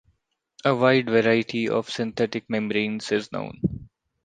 A wide variety of synthetic membranes is known.